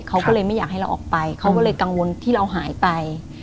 เขาก็เลยไม่อยากให้เราออกไปเขาก็เลยกังวลที่เราหายไป